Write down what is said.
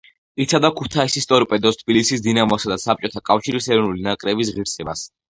იცავდა ქუთაისის „ტორპედოს“, თბილისის „დინამოსა“ და საბჭოთა კავშირის ეროვნული ნაკრების ღირსებას.